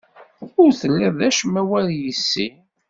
Ur tellid d acemma war yes-i.